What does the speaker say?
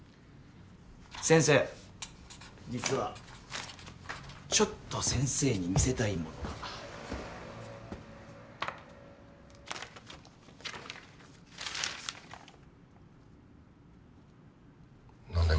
先生実はちょっと先生に見せたいものが何だよ